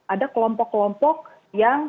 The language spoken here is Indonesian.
ada kelompok kelompok yang